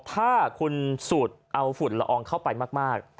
ถ้าคุณสูดเอาฝุ่นละอองเข้าไปมาก